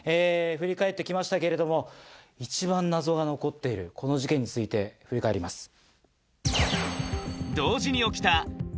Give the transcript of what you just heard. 振り返って来ましたけれども一番謎が残っているこの事件について振り返ります。